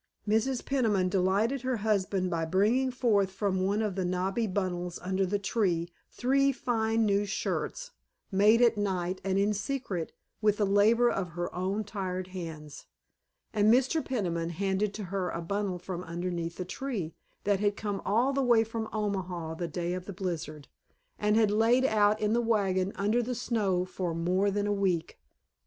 Mrs. Peniman delighted her husband by bringing forth from one of the knobby bundles under the tree three fine new shirts, made at night and in secret with the labor of her own tired hands, and Mr. Peniman handed to her a bundle from beneath the tree, that had come all the way from Omaha the day of the blizzard, and had lain out in the wagon under the snow for more than a week.